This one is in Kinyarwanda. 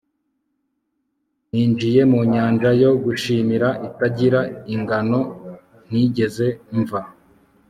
ninjiye mu nyanja yo gushimira itagira ingano ntigeze mva